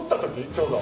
ちょうど。